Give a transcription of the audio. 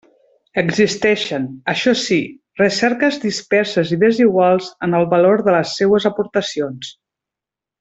Existeixen, això sí, recerques disperses i desiguals en el valor de les seues aportacions.